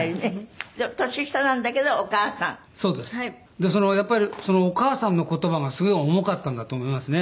でやっぱりそのお義母さんの言葉がすごい重かったんだと思いますね。